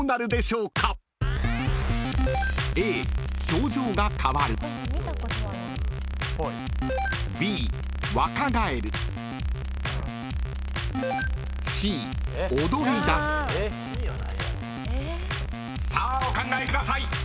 ［さあお考えください］